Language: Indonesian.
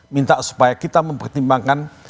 minta supaya kita mempertimbangkan